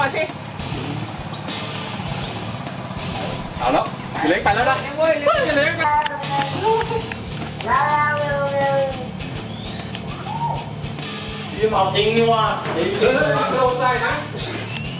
ดีะแค่ดีมันไม่ถือกลังเลยแต่ต้องร้ายให้ดี